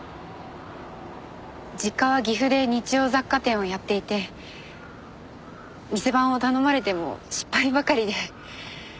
実家は岐阜で日用雑貨店をやっていて店番を頼まれても失敗ばかりで。